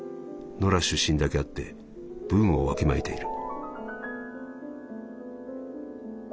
「ノラ出身だけあって分をわきまえている」。